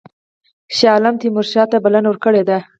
شاه عالم تیمورشاه ته بلنه ورکړې ده.